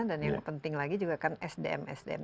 dan yang penting lagi juga kan sdm sdm